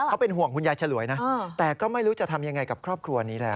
เขาเป็นห่วงคุณยายฉลวยนะแต่ก็ไม่รู้จะทำยังไงกับครอบครัวนี้แล้ว